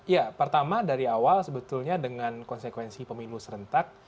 ya pertama dari awal sebetulnya dengan konsekuensi pemilu serentak